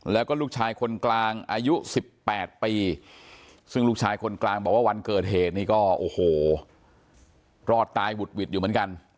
แล้วก็ลูกชายคนกลางอายุ๑๘ปีซึ่งลูกชายคนกลางบอกว่าวันเกิดเหตุนี้ก็โอ้โหรอดตายหุดหวิดอยู่เหมือนกัน